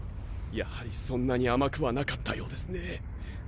やはりそんなに甘くはなかったようですね。